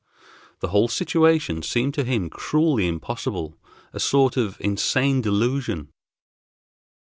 The whole situation seemed to him cruelly impossible, a sort of insane delusion.